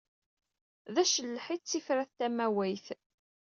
D acelleḥ ay d tifrat tamawayt.